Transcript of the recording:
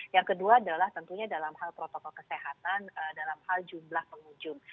yang kedua adalah tentunya dalam hal protokol kesehatan dalam hal jumlah pengunjung